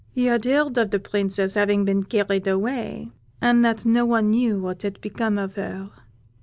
He had heard of the Princess having been carried away, and that no one knew what had become of her.